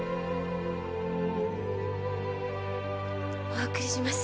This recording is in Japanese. お送りします。